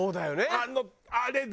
あのあれだ。